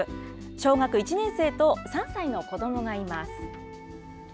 小学１年生と３歳の子どもがいます。